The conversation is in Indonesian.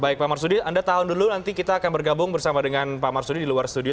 baik pak marsudi anda tahan dulu nanti kita akan bergabung bersama dengan pak marsudi di luar studio